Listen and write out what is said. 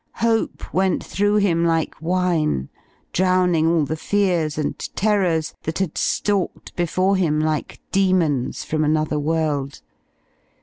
Hope went through him like wine, drowning all the fears and terrors that had stalked before him like demons from another world.